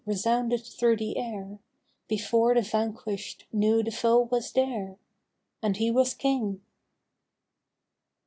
" resounded through the air Before the vanquish'd knew the foe was there, — And he was King